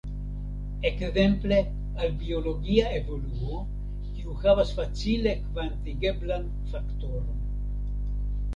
Ekzemple al biologia evoluo, kiu havas facile kvantigeblan faktoron.